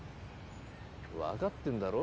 わかってんだろ？